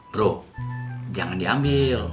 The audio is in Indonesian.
bro jangan diambil